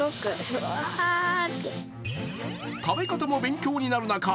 食べ方も勉強になる中